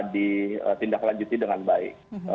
ditindaklanjuti dengan baik